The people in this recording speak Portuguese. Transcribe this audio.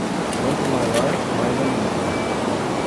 Quanto maior, mais animal.